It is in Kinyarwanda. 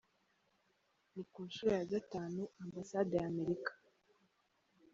Ni ku nshuro ya gatanu, Ambasade ya Amerika.